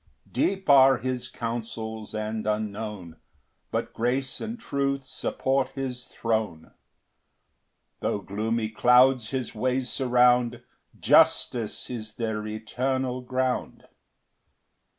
2 Deep are his counsels and unknown; But grace and truth support his throne: Tho' gloomy clouds his ways surround, Justice is their eternal ground.